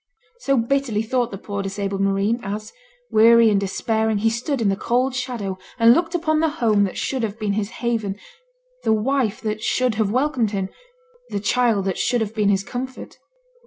So bitterly thought the poor disabled marine, as, weary and despairing, he stood in the cold shadow and looked upon the home that should have been his haven, the wife that should have welcomed him, the child that should have been his comfort.